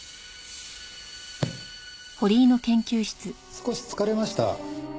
少し疲れました。